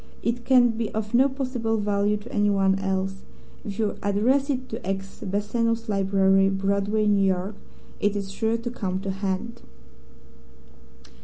It can be of no possible value to anyone else. If you address it to X, Bassano's Library, Broadway, New York, it is sure to come to hand."